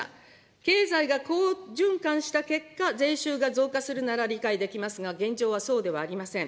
経済が好循環した結果、税収が増加するなら理解できますが、現状はそうではありません。